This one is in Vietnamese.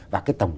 và cái tổng